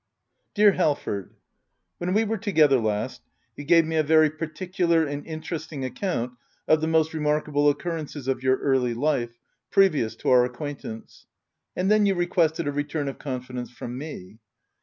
Dear Halford, When we were together last, you gave me a very particular and interesting ac . count of the most remarkable occurrences of your early life, previous to our acquaintance ; and then you requested a return of confidence from me.